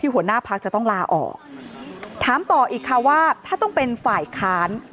หัวหน้าพักจะต้องลาออกถามต่ออีกค่ะว่าถ้าต้องเป็นฝ่ายค้าน